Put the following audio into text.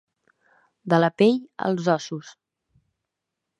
De la pell als ossos.